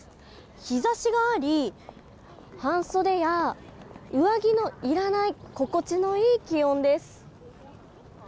日差しがあり半袖や上着のいらない心地のいい気温です。